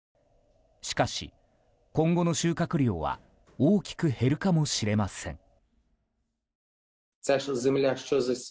しかし、今後の収穫量は大きく減るかもしれません。